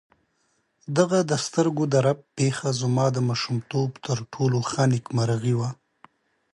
دغه د سترګو د رپ پېښه زما د ماشومتوب تر ټولو ښه نېکمرغي وه.